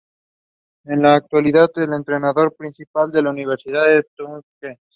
En la actualidad es el entrenador principal de la Universidad Tuskegee.